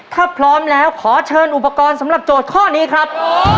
ถ้าพร้อมแล้วขอเชิญอุปกรณ์สำหรับโจทย์ข้อนี้ครับ